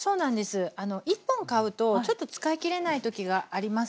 １本買うとちょっと使い切れない時がありますよね。